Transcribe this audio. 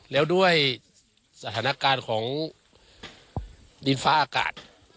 แล้วด้วยสถานการณ์ของดินฟ้าอากาศ